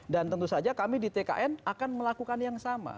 dan tentu saja kami di tkn akan melakukan yang sama